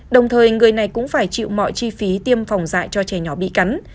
đồng thời người này cũng phải chịu mọi chi phí tiêm phòng dạy cho trẻ nhỏ bị cắn